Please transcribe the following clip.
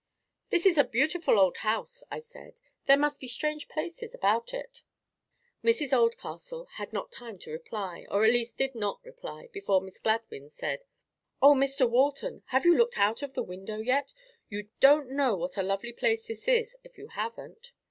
"This is a beautiful old house," I said. "There must be strange places about it." Mrs Oldcastle had not time to reply, or at least did not reply, before Miss Gladwyn said— "Oh, Mr Walton, have you looked out of the window yet? You don't know what a lovely place this is, if you haven't."